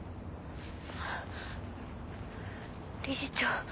理事長。